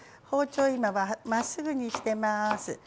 包丁今はまっすぐにしてます。